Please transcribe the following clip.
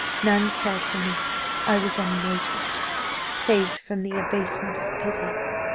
None cared for me; I was unnoticed saved from the abasement of pity.